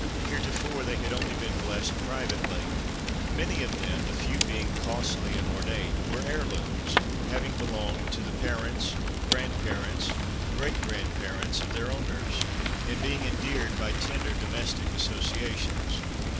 Heretofore, they had only been blessed privately. Many of them, a few being costly and ornate, were heirlooms, having belonged to the parents, grand parents, great grand parents, of their owners, and being endeared by tender domestic associations.